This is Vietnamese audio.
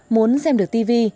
muốn xem được tv